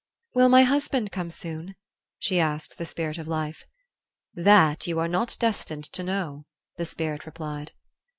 "Will my husband come soon?" she asked the Spirit of Life. "That you are not destined to know," the Spirit replied.